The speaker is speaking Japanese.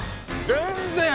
全然！